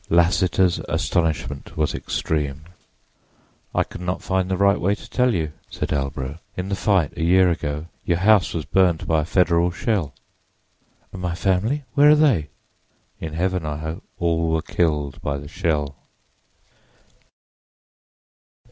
Lassiter's astonishment was extreme. "I could not find the right way to tell you," said Albro. "In the fight a year ago your house was burned by a Federal shell." "And my family—where are they?" "In Heaven, I hope. All were killed by the shell."